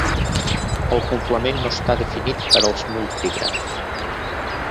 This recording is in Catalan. El complement no està definit per als multigrafs.